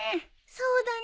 そうだね